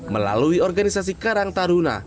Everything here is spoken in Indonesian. melalui organisasi karang taruna